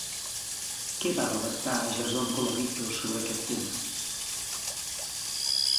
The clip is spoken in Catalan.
Què va redactar Jason Colavito sobre aquest tema?